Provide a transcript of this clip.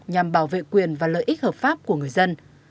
nhằm bảo vệ quyền và lợi ích hợp pháp của người dân